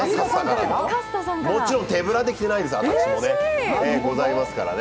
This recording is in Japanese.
もちろん手ぶらで来てないですよ、私もね。